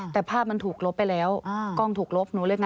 แต่ภาพมันถูกลบไปแล้วกล้องถูกลบหนูเรียกไง